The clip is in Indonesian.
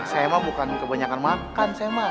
saya mah bukan kebanyakan makan saya mah